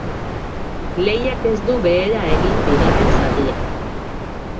Lehiak ez du behera egin bigarren zatian.